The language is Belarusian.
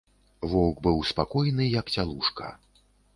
Воўк быў спакойны, як цялушка.